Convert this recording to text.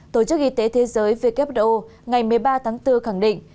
tổ chức y tế thế giới who ngày một mươi ba tháng bốn khẳng định